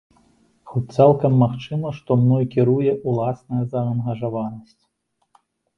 Хоць, цалкам магчыма, што мной кіруе ўласная заангажаванасць.